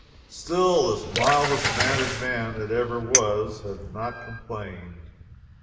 Still, this mildest mannered man that ever was, had not complained.